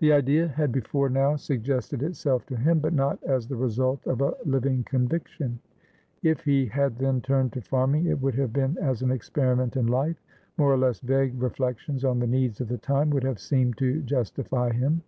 The idea had before now suggested itself to him, but not as the result of a living conviction. If he had then turned to farming, it would have been as an experiment in life; more or less vague reflections on the needs of the time would have seemed to justify him.